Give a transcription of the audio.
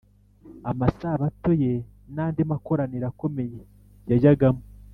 amasabato ye, n’andi makoraniro akomeye yajyagamo.